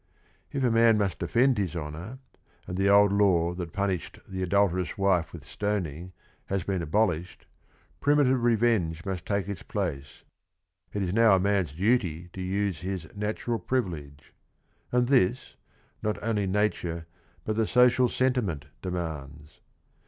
j£ a man m ust defend his honor, an d th e old law that punished the adulterous wife with stoning has bee n abolished, primitive PEVeugtJ must lake its place. It is now a man's duty to use his natural privilege. And this, not only nature but .the social sentiment demands.